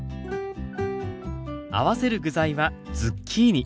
合わせる具材はズッキーニ。